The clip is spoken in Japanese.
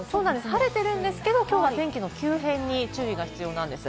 晴れているんですけれども、きょうは天気の急変に注意が必要なんです。